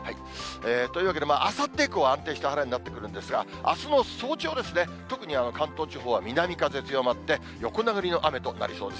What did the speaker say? というわけで、あさって以降は安定した晴れになってくるんですが、あすの早朝、特に関東地方は南風強まって、横殴りの雨となりそうです。